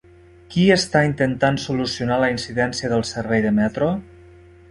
Qui està intentant solucionar la incidència del servei de metro?